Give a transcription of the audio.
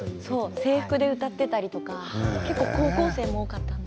制服で歌っていたりとか結構、高校生も多かったので。